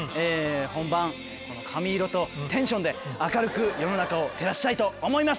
本番この髪色とテンションで明るく世の中を照らしたいと思います。